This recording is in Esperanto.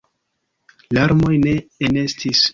Larmoj ne enestis.